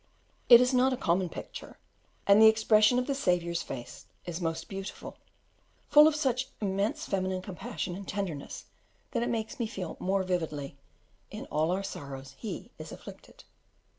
It is not a common picture; and the expression of the Saviour's face is most beautiful, full of such immense feminine compassion and tenderness that it makes me feel more vividly, "In all our sorrows He is afflicted."